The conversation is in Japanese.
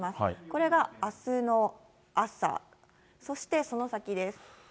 これがあすの朝、そしてその先です。